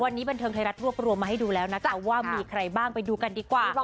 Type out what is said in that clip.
วันนี้บันเทิงไทยรัฐรวบรวมมาให้ดูแล้วนะคะว่ามีใครบ้างไปดูกันดีกว่า